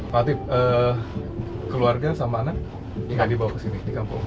pak atip keluarga sama anak yang dibawa ke sini di kampung